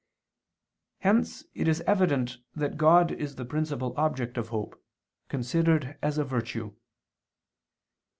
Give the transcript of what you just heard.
Hence it is evident that God is the principal object of hope, considered as a virtue.